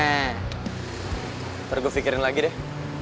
baru gue pikirin lagi deh